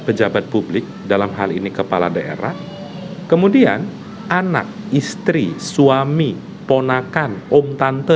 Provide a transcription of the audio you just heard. pejabat publik dalam hal ini kepala daerah kemudian anak istri suami ponakan om tante